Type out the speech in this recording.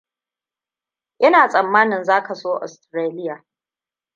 Ina tsammanin zaka so Australia.